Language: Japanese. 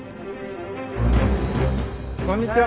こんにちは。